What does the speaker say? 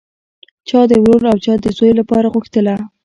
چا د ورور او چا د زوی لپاره غوښتله